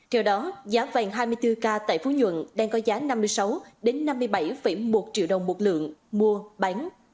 theo đó giá vàng hai mươi bốn k tại phú nhuận đang có giá năm mươi sáu năm mươi bảy một triệu đồng một lượng mua bán